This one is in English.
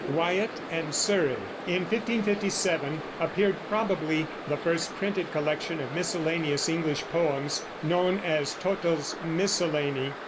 WYATT AND SURREY. In 1557 appeared probably the first printed collection of miscellaneous English poems, known as Tottel's Miscellany.